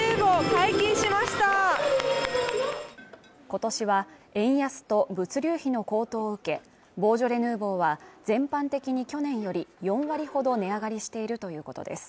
今年は円安と物流費の高騰を受けボージョレ・ヌーボーは全般的に去年より４割ほど値上がりしているということです